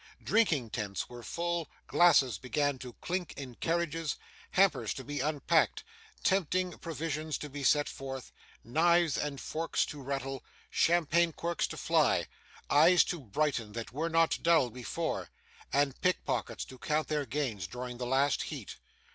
Drinking tents were full, glasses began to clink in carriages, hampers to be unpacked, tempting provisions to be set forth, knives and forks to rattle, champagne corks to fly, eyes to brighten that were not dull before, and pickpockets to count their gains during the last heat.